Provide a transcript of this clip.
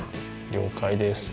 了解です。